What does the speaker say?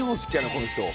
この人も。